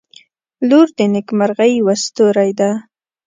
• لور د نیکمرغۍ یوه ستوری ده.